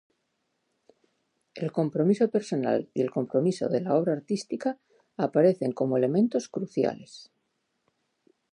El compromiso personal y el compromiso de la obra artística aparecen como elementos cruciales.